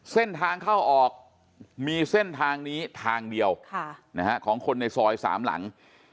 เส้นทางเข้าออกมีเส้นทางนี้ทางเดียวของคนในซอยสามหลัง